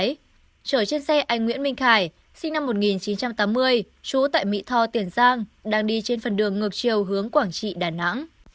chở trên xe anh nguyễn minh khải sinh năm một nghìn chín trăm tám mươi trú tại mỹ tho tiền giang đang đi trên phần đường ngược chiều hướng quảng trị đà nẵng